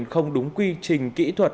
không đúng quy trình kỹ thuật